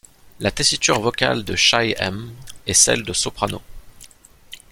La tessiture vocale de Shy'm est celle de soprano.